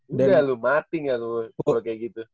udah lu mati gak lu kalau kayak gitu